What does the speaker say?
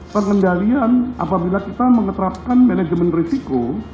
pengendalian apabila kita mengeterapkan manajemen risiko